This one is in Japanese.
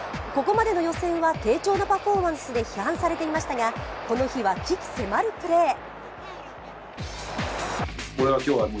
ここまでの予選は低調なパフォーマンスで批判されていましたが、この日は鬼気迫るプレー。